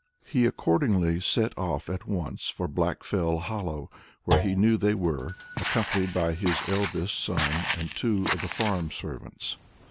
He accordingly at once set off for Blackfell Hollow, where he knew they were, accompanied by his eldest son and two of the farm servants.